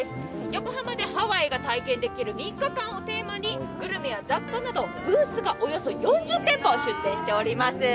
横浜でハワイが体験できる３日間をテーマにグルメやグッズなどブースがおよそ４０店舗出店しております。